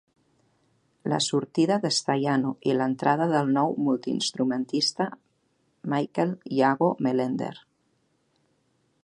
La sortida de Staiano, i l'entrada del nou multi-instrumentista Michael Iago Mellender.